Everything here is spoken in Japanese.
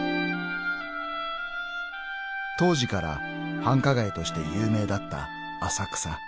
［当時から繁華街として有名だった浅草］